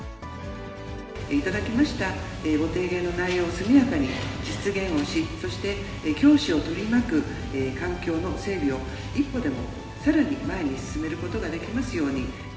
頂きましたご提言の内容を速やかに実現をし、そして教師を取り巻く環境の整備を、一歩でもさらに前に進めることができますように。